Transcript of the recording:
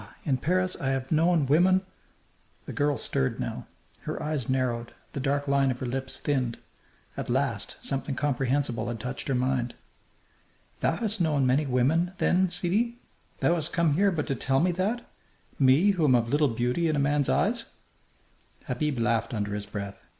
in Paris I have known women " The girl stirred now. Her eyes narrowed; the dark line of her lips thinned. At last something comprehensible had touched her mind. "Thou hast known many women, then, sidi! Thou hast come here but to tell me that? Me, who am of little beauty in a man's eyes!" Habib laughed under his breath.